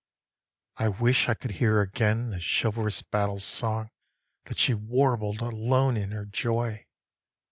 4. I wish I could hear again The chivalrous battle song That she warbled alone in her joy!